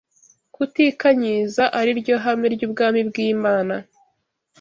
Kutikanyiza, ari ryo hame ry’ubwami bw’Imana,